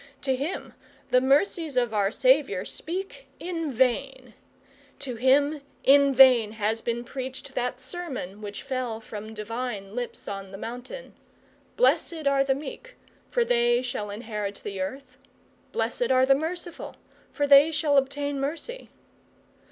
To him the mercies of our Saviour speak in vain, to him in vain has been preached that sermon that fell from the divine lips on the mountain 'Blessed are the meek, for they shall inherit the earth' 'Blessed are the merciful, for the they shall obtain mercy'.